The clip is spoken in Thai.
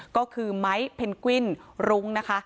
ก็คือไม้เพนกวิ้นรุ้งนะคะ